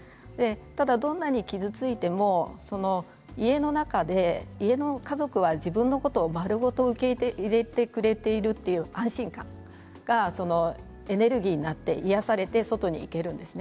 ただどんなに傷ついても家の中で家の家族が自分のことを丸ごと受け入れてくれているという安心感がエネルギーになって癒やされて外に行けるんです。